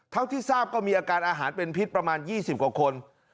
เท่าที่ทราบก็มีอาการอาหารเป็นพิษประมาณ๒๐กว่าคน